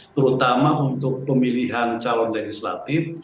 terutama untuk pemilihan calon legislatif